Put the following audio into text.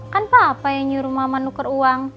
kan papa yang nyuruh mama nuker uang